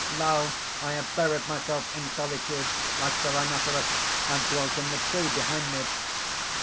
[Illustration: I have buried myself in solitude, like the rhinoceros. I dwelt in the tree behind me.